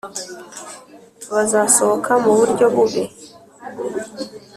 bazasohoka muburyo bubi.